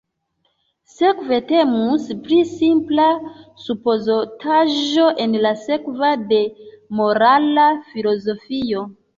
Sekve temus pri simpla supozotaĵo en la servo de morala filozofio.